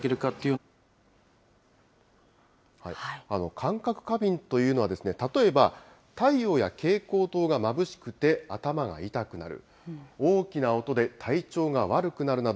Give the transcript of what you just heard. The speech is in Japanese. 感覚過敏というのはですね、例えば太陽や蛍光灯がまぶしくて頭が痛くなる、大きな音で体調が悪くなるなど、